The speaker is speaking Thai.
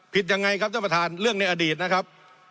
ยังไงครับท่านประธานเรื่องในอดีตนะครับ